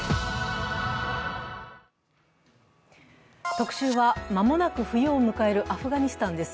特集は、間もなく冬を迎えるアフガニスタンです。